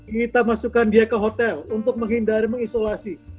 minta masukkan dia ke hotel untuk menghindari mengisolasi